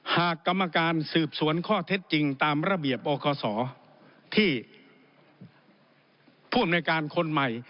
กรรมการสืบสวนข้อเท็จจริงตามระเบียบอคศที่ผู้อำนวยการคนใหม่